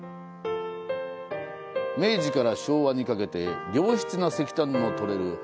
明治から昭和にかけて、良質な石炭の採れる